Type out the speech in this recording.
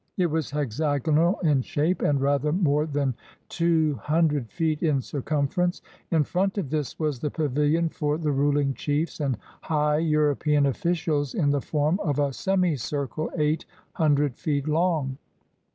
It was hexagonal in shape, and rather more than two hundred feet in circumference. In front of this was the pavilion for the ruling chiefs and high European officials, in the form of a semicircle eight hundred feet long.